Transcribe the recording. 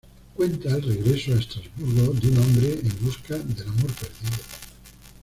Cuenta el regreso a Estrasburgo de un hombre en busca del amor perdido.